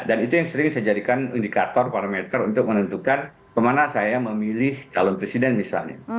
dan itu yang sering saya jadikan indikator parameter untuk menentukan kemana saya memilih calon presiden misalnya